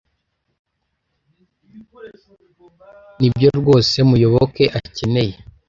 Nibyo rwose Muyoboke akeneye.